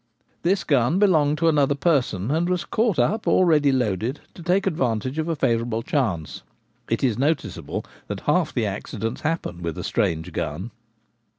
This gun belonged to another person, and was caught up,, already loaded, to take advantage of a favourable chance ; it is noticeable that half the accidents happen with a strange gun.